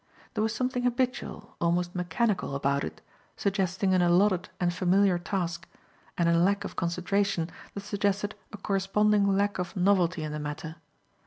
There was something habitual, almost mechanical, about it, suggesting an allotted and familiar task, and a lack of concentration that suggested a corresponding lack of novelty in the matter.